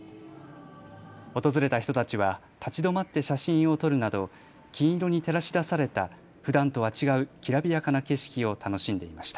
訪れた人たちは立ち止まって写真を撮るなど金色に照らし出されたふだんとは違うきらびやかな景色を楽しんでいました。